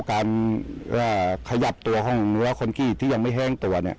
การขยับตัวของรับคอนกรีตที่ยังไม่แห้งตัว